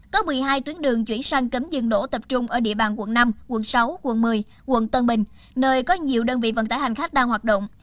có một mươi hai tuyến đường chuyển sang cấm dừng đổ tập trung ở địa bàn quận năm quận sáu quận một mươi quận tân bình nơi có nhiều đơn vị vận tải hành khách đang hoạt động